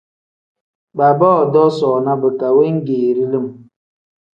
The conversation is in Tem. Baaba woodoo soona bika wengeeri lim.